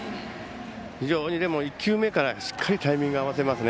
非常に１球目からしっかりタイミング合わせますね。